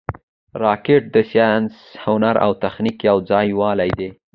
راکټ د ساینس، هنر او تخنیک یو ځای والې دی